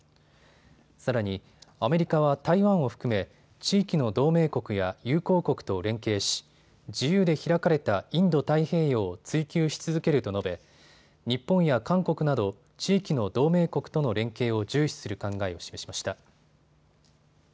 さらにアメリカは台湾を含め地域の同盟国や友好国と連携し自由で開かれたインド太平洋を追求し続けると述べ日本や韓国など、地域の同盟国との連携を重視する考えを示しました。